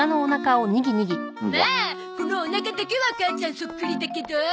まあこのおなかだけは母ちゃんそっくりだけどー。